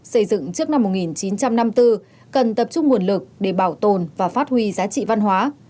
xây dựng trước năm một nghìn chín trăm năm mươi bốn cần tập trung nguồn lực để bảo tồn và phát huy giá trị văn hóa